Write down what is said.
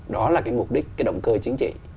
đó là cái mục đích cái động cơ chính trị